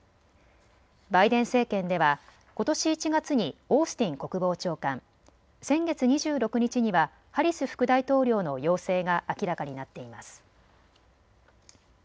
バイデン政権ではことし１月にオースティン国防長官、先月２６日にはハリス副大統領の陽性が明らかになっています。